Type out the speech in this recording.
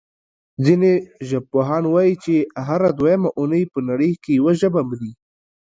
ځینې ژبپوهان وايي چې هره دویمه اوونۍ په نړۍ کې یوه ژبه مري.